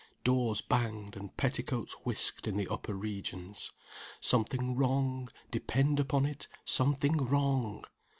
Doors banged and petticoats whisked in the upper regions. Something wrong depend upon it, something wrong!